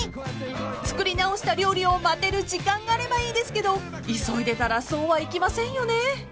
［作り直した料理を待てる時間があればいいですけど急いでたらそうはいきませんよね］